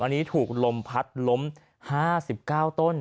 อันนี้ถูกลมพัดล้ม๕๙ต้น